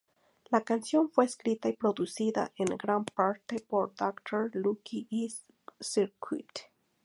La canción fue escrita y producida, en gran parte, por Dr. Luke y Cirkut.